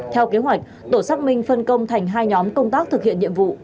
theo kế hoạch tổ xác minh phân công thành hai nhóm công tác thực hiện nhiệm vụ